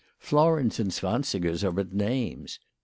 Florins and zwansigers are but names.